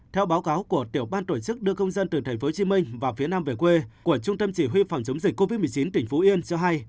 theo báo cáo của tiểu ban tổ chức đưa công dân từ tp hcm vào phía nam về quê của trung tâm chỉ huy phòng chống dịch covid một mươi chín tỉnh phú yên cho hay